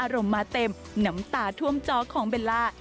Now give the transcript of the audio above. อร่มมาเต็มสมน้ำตาถวมจอกของเบลล่า